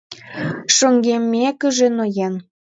Шоҥгеммекыже ноен